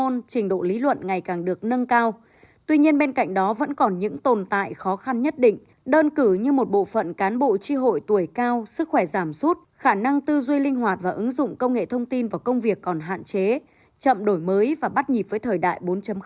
nhưng bên cạnh đó vẫn còn những tồn tại khó khăn nhất định đơn cử như một bộ phận cán bộ tri hội tuổi cao sức khỏe giảm suốt khả năng tư duy linh hoạt và ứng dụng công nghệ thông tin và công việc còn hạn chế chậm đổi mới và bắt nhịp với thời đại bốn